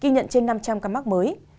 nhận trên năm trăm linh ca mắc mới